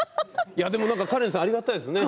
でもカレンさんありがたいですね。